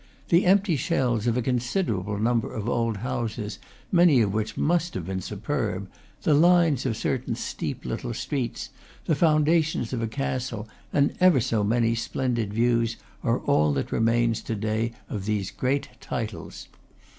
The empty shells of a considerable number of old houses, many of which must have been superb, the lines of certain steep little streets, the foundations of a castle, and ever so many splendid views, are all that remains to day of these great titles.